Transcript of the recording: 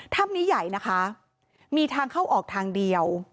ถ้ำนี้ใหญ่นะคะมีทางเข้าออกทางเดียว